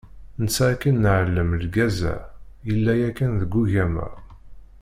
Netta akken neεlem, lgaz-a, yella yakan deg ugama.